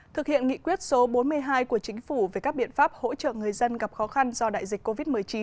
thực hiện nghị quyết số bốn mươi hai của chính phủ về các biện pháp hỗ trợ người dân gặp khó khăn do đại dịch covid một mươi chín